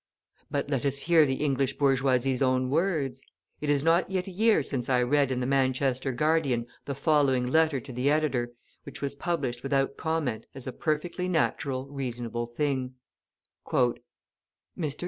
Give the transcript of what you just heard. But let us hear the English bourgeoisie's own words. It is not yet a year since I read in the Manchester Guardian the following letter to the editor, which was published without comment as a perfectly natural, reasonable thing: "MR.